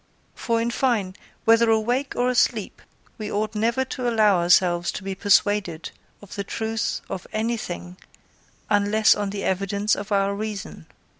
For, in fine, whether awake or asleep, we ought never to allow ourselves to be persuaded of the truth of anything unless on the evidence of our reason.